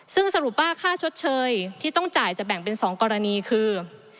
ซึ่งสรุปว่าค่าชดเชยที่ต้องจ่ายจะแบ่งเป็น๒กรณีคือ